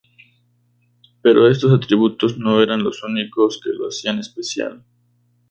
Pero estos atributos no eran los únicos que lo hacían especial.